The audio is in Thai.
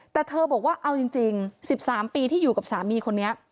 แต่เธอบอกว่าเอาจริง๑๓ปีที่อยู่กับสามีคนนี้